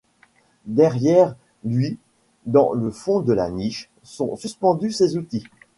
Derrière lui, dans le fond de la niche, sont suspendus ses outils.